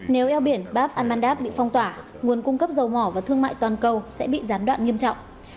nếu eo biển bab al mandab bị phong tỏa nguồn cung cấp dầu mỏ và thương mại toàn cầu sẽ bị gián đoạn nghiêm trọng